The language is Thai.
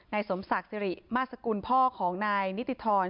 สมศักดิ์สิริมาสกุลพ่อของนายนิติธร